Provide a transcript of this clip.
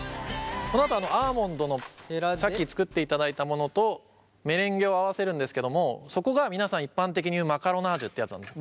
このあとアーモンドのさっき作っていただいたものとメレンゲを合わせるんですけどもそこが皆さん一般的に言うマカロナージュってやつなんです。